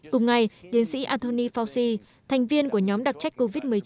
cùng ngày tiến sĩ anthony fauci thành viên của nhóm đặc trách covid một mươi chín